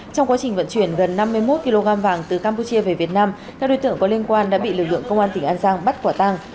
trong quá trình vận chuyển gần năm mươi một kg vàng từ campuchia về việt nam các đối tượng có liên quan đã bị lực lượng công an tỉnh an giang bắt quả tang